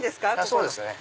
そうですね。